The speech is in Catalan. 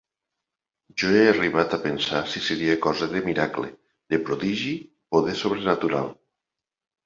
-Jo he arribat a pensar si seria cosa de miracle, de prodigi, poder sobrenatural…